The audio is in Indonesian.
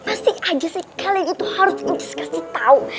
masih aja sih kalian harus inces kasih tau